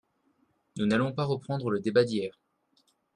Nous n’allons pas reprendre le débat d’hier.